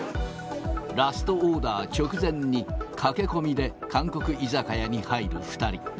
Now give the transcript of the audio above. ラストオーダー直前に、駆け込みで韓国居酒屋に入る２人。